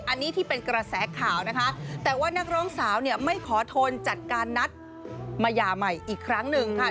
อันนี้ที่เป็นกระแสข่าวนะคะแต่ว่านักร้องสาวเนี่ยไม่ขอทนจัดการนัดมาหย่าใหม่อีกครั้งหนึ่งค่ะ